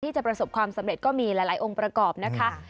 จะประสบความสำเร็จก็มีหลายองค์ประกอบนะคะ